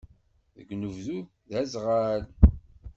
Deg unebdu, d aẓɣal.